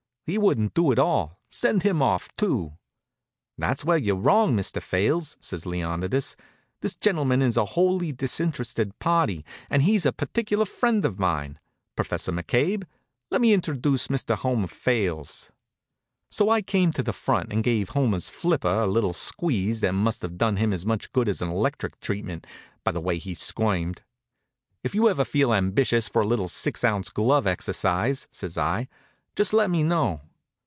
"He wouldn't do at all. Send him off, too." "That's where you're wrong, Mr. Fales," says Leonidas. "This gentleman is a wholly disinterested party, and he's a particular friend of mine. Professor McCabe, let me introduce Mr. Homer Fales." So I came to the front and gave Homer's flipper a little squeeze that must have done him as much good as an electric treatment, by the way he squirmed. "If you ever feel ambitious for a little six ounce glove exercise," says I, "just let me know."